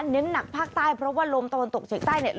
เน้นหนักภาคใต้เพราะว่าลมตะวันตกเฉียงใต้เนี่ย